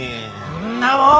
んなもん